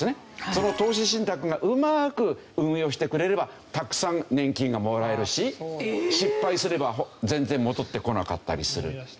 その投資信託がうまく運用してくれればたくさん年金がもらえるし失敗すれば全然戻ってこなかったりする。